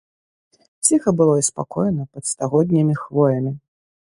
Ціха было і спакойна пад стагоднімі хвоямі.